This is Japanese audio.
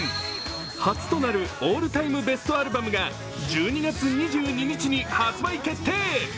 初となるオールタイム・ベストアルバムが１２月２２日に発売決定。